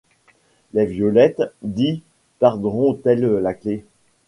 Les violettes, dis, perdront-elles la clé